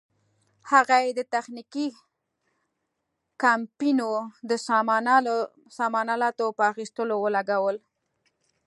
هغه یې د تخنیکي کمپنیو د سامان الاتو په اخیستلو ولګول.